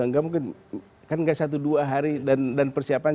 enggak mungkin kan gak satu dua hari dan persiapan